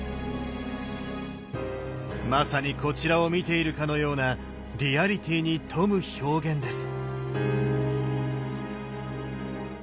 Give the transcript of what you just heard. まさにこちらを見ているかのようなリアリティーに富む表現です。